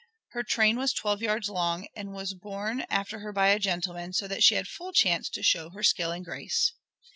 Her train was twelve yards long and was borne after her by a gentleman, so that she had full chance to show her skill and grace.